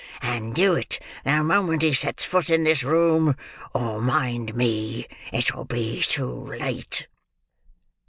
And do it the moment he sets foot in this room, or mind me, it will be too late!"